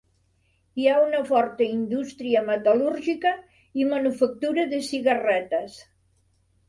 Hi ha una forta indústria metal·lúrgica, i manufactura de cigarretes.